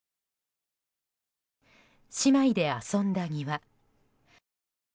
姉妹で遊んだ庭。